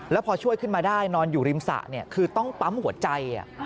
แล้วพอช่วยขึ้นมาได้นอนอยู่ริมสระคือต้องปั๊มหัวใจ